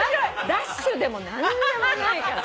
ダッシュでも何でもないから。